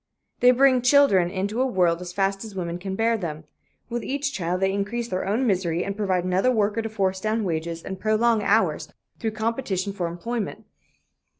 They bring children into the world as fast as women can bear them. With each child they increase their own misery and provide another worker to force down wages and prolong hours, through competition for employment.